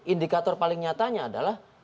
indikator paling nyatanya adalah